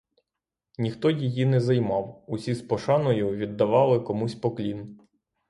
Ніхто її не займав, усі з пошаною віддавали комусь поклін.